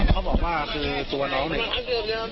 ครับพ่อบอกว่าคือตัวน้องหนึ่ง